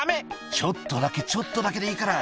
「ちょっとだけちょっとだけでいいから」